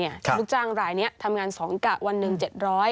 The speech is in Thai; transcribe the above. ลูกจ้างหลายนี้ทำงาน๒กะวัน๑หรือ๗๐๐